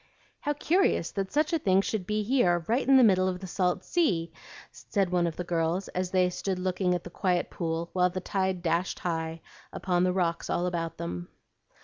"How curious that such a thing should be here right in the middle of the salt sea!" said one of the girls, as they stood looking at the quiet pool while the tide dashed high upon the rocks all about them.